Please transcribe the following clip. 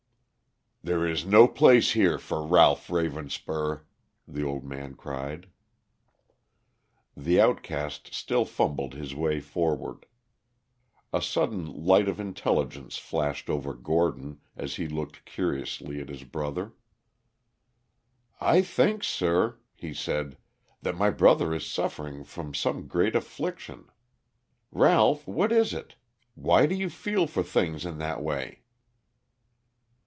"There is no place here for Ralph Ravenspur," the old man cried. The outcast still fumbled his way forward. A sudden light of intelligence flashed over Gordon as he looked curiously at his brother. "I think, sir," he said, "that my brother is suffering from some great affliction. Ralph, what is it? Why do you feel for things in that way?"